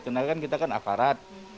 karena kan kita kan aparat